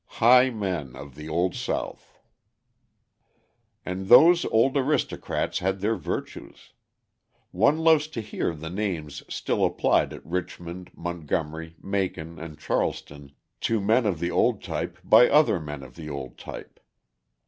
"High Men" of the Old South And those old aristocrats had their virtues. One loves to hear the names still applied at Richmond, Montgomery, Macon, and Charleston to the men of the old type, by other men of the old type.